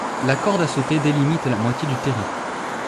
la corde a sauté délimite la moitié du terrain